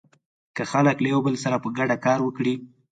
که خلک له يو بل سره په ګډه کار وکړي.